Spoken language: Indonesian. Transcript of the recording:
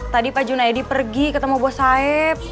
tadi pak junaedi pergi ketemu bos saeb